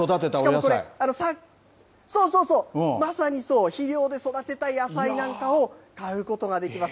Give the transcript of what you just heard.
しかもこれ、そうそう、まさにそう、肥料で育てた野菜なんかを買うことができます。